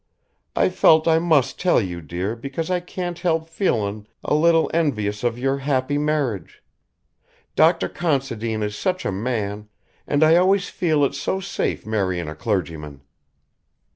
I felt I must tell you, dear, because I can't help feelin' a little envious of your happy marriage. Dr. Considine is such a man ... and I always feel it's so safe marryin' a clergyman."